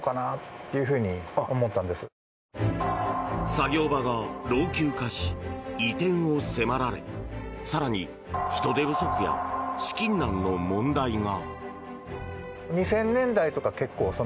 作業場が老朽化し移転を迫られ更に人手不足や資金難の問題が。